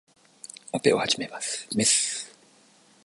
オペを始めます。メス